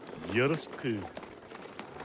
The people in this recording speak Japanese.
よろしく。